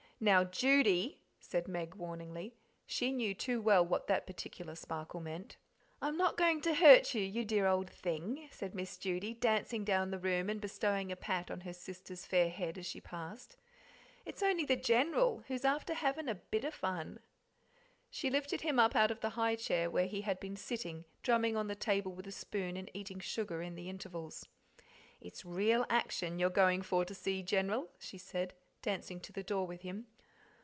"Now, Judy!" said Meg warningly; she knew too well what that particular sparkle meant. "Oh, I'm not going to hurt you, you dear old thing," said Miss Judy, dancing down the room and bestowing a pat on her sister's fair head as she passed. "It's only the General, who's after havin' a bit o' fun." She lifted him up out of the high chair, where he had been sitting drumming on the table with a spoon and eating sugar in the intervals. "It's real action you're going for to see, General," she said, dancing to the door with him.